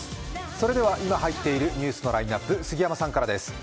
それでは今入っているニュースのラインナップ、杉山さんからです。